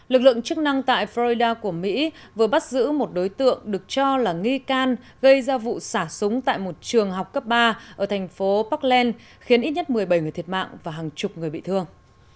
lực lượng chức năng tại florida của mỹ vừa bắt giữ một đối tượng được cho là nghi can gây ra vụ xả súng tại một trường học cấp ba ở thành phố parkland khiến ít nhất một mươi bảy người thiệt mạng và hàng chục người bị thương